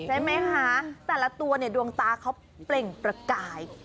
ใช่ไหมคะแต่ละตัวเนี่ยดวงตาเขาเปล่งประกาย